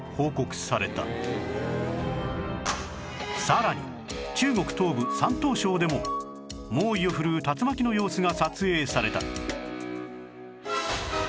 さらに中国東部山東省でも猛威を振るう竜巻の様子が撮影された